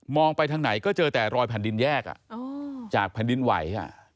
ไปทางไหนก็เจอแต่รอยแผ่นดินแยกจากแผ่นดินไหว